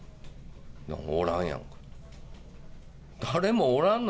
おらんやん！